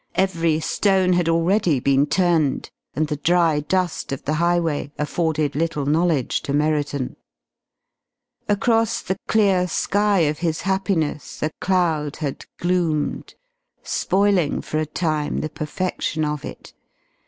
Every stone had already been turned, and the dry dust of the highway afforded little knowledge to Merriton. Across the clear sky of his happiness a cloud had gloomed, spoiling for a time the perfection of it.